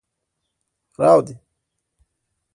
fraude